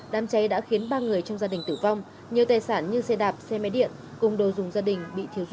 đám cháy đã khiến ba người trong gia đình tử vong nhiều tài sản như xe đạp xe máy điện cùng đồ dùng gia đình bị thiếu dụi